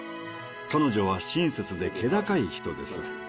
彼女は親切で気高い人です。